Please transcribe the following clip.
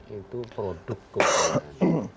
itu produk kebudayaan